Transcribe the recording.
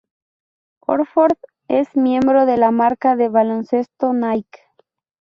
Horford es miembro de la marca de baloncesto Nike.